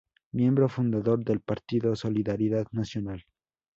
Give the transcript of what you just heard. Miembro fundador del Partido Solidaridad Nacional.